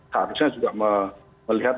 seharusnya juga melihat